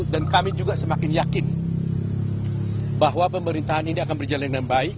dan kami juga semakin yakin bahwa pemerintahan ini akan berjalan dengan baik